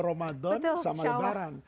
kalau ramadan sama lebaran